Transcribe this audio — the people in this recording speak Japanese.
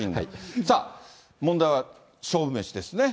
さあ、問題は勝負メシですね。